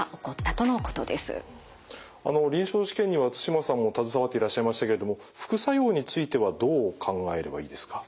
臨床試験には対馬さんも携わっていらっしゃいましたけれども副作用についてはどう考えればいいですか？